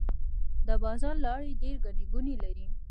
د بازار لارې ډيرې ګڼې ګوڼې لري.